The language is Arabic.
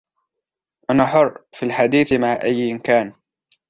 أن حر في الحديث مع أي كان.